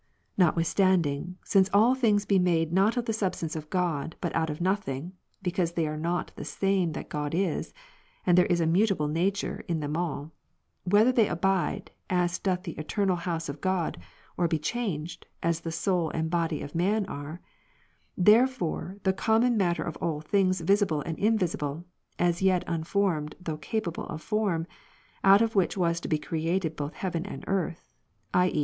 Notwithstanding, since all things be made not of the substance of God, but out of nothing, (because they are not the same that God is, and there is a mutable nature in them all, whether they abide, as doth the eternal house of God, or be changed, as the soul and body of man are :) therefore the common matter of all things visible and in visible, (as yet unformed though capable of form,) out of which was to be created both heaven and earth, (i. e.